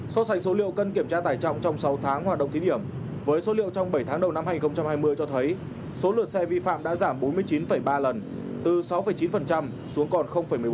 so sánh số liệu cân kiểm tra tải trọng trong sáu tháng hoạt động thí điểm với số liệu trong bảy tháng đầu năm hai nghìn hai mươi cho thấy số lượt xe vi phạm đã giảm bốn mươi chín ba lần từ sáu chín xuống còn một mươi bốn